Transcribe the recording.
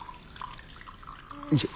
よいしょ。